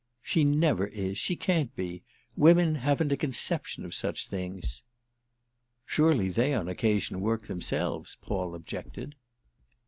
"She never is—she can't be! Women haven't a conception of such things." "Surely they on occasion work themselves," Paul objected.